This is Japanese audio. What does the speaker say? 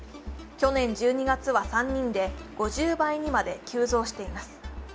去年１２月は３人で５０倍にまで急増しています。